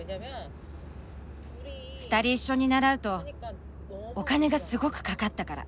２人一緒に習うとお金がすごくかかったから。